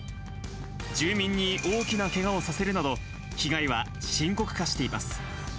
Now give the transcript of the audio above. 住民に大きなけがをさせるなど、被害は深刻化しています。